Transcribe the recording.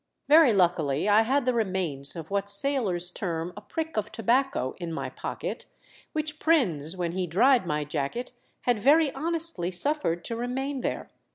Very luckily I had the remains of what sailors term a prick of tobacco in my pocket, which Prins when he dried my jacket had very honestly suffered to remain there.